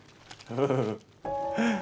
フフフフ。